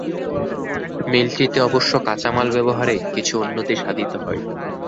মিলটিতে অবশ্য কাঁচামাল ব্যবহারে কিছু উন্নতি সাধিত হয়।